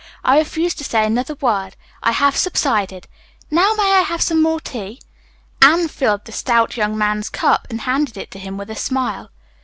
I refuse to say another word. I have subsided. Now, may I have some more tea?" Anne filled the stout young man's cup and handed it to him with a smile.